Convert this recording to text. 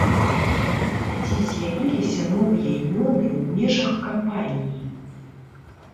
Ці з'явіліся новыя імёны ў межах кампаніі?